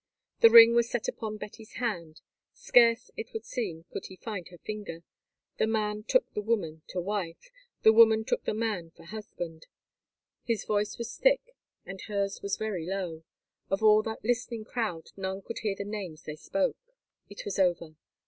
The ring was set upon Betty's hand—scarce, it would seem, could he find her finger—the man took the woman to wife, the woman took the man for husband. His voice was thick, and hers was very low; of all that listening crowd none could hear the names they spoke. It was over.